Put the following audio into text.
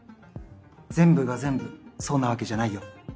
全部が全部そうなわけじゃないよ。